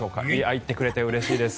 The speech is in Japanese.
行ってくれてうれしいです。